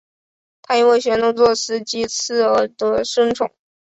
他因为玄宗作祭祀词而得圣宠。